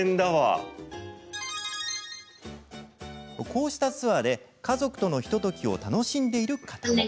こうしたツアーで、家族とのひとときを楽しんでいる方も。